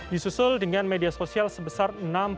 disusul dengan media sosial sebesar enam puluh empat